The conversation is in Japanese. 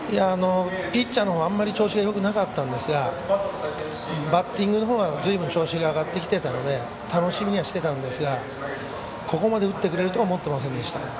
ピッチャーのほうはあまり調子がよくなかったんですがバッティングのほうは、ずいぶん調子が上がってきてたので楽しみにはしてたんですがここまで打ってくれるとは思っていませんでした。